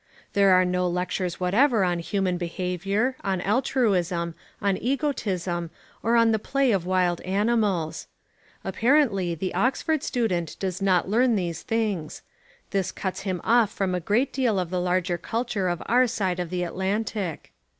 There are no lectures whatever on Human Behaviour, on Altruism, on Egotism, or on the Play of Wild Animals. Apparently, the Oxford student does not learn these things. This cuts him off from a great deal of the larger culture of our side of the Atlantic.